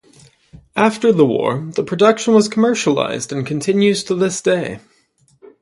After the war the production was commercialized and continues to this day.